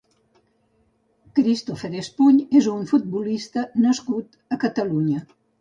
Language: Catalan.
Cristopher Espuny és un futbolista nascut a Catalunya.